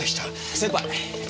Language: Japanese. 先輩。